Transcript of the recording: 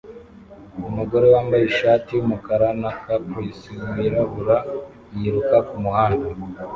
Umugore wambaye ishati yumukara na Capris wirabura yiruka kumuhanda